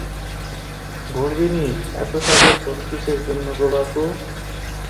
গর্বিণীর এত সাজের ধুম কিসের জন্য গো বাপু।